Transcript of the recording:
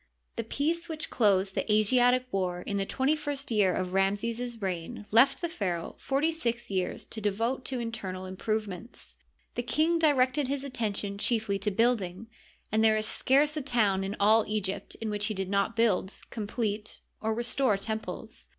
The peace which closed the Asiatic war in the twenty first year of Ramses's reign left the pharaoh forty six years to devote to internal improvements. The king di rected his attention chiefly to building, and there is scarce a town in all Egypt in which he did not build, complete, or restore temples.